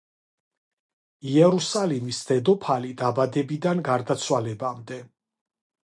იერუსალიმის დედოფალი დაბადებიდან გარდაცვალებამდე.